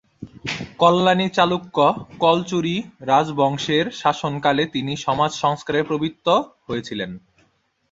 কল্যাণী চালুক্য/কলচুরি রাজবংশের শাসনকালে তিনি সমাজ সংস্কারে প্রবৃত্ত হয়েছিলেন।